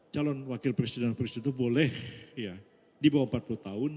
calon wakil presiden presiden itu boleh ya di bawah empat puluh tahun